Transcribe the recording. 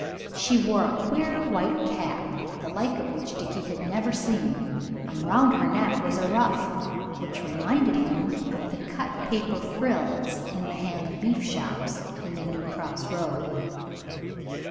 She wore a queer white cap, the like of which Dickie had never seen, and round her neck was a ruff which reminded him of the cut paper frills in the ham and beef shops in the New Cross Road.